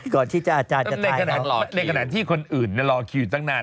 ก่อนที่จะอาจารย์จะทายเขาในขณะในขณะที่คนอื่นเนี้ยรอคิวตั้งนาน